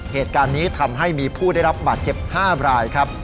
เหตุการณ์นี้ทำให้มีผู้ได้รับบาดเจ็บ๕รายครับ